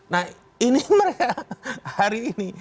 nah ini mereka hari ini